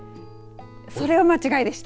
それが間違いでした。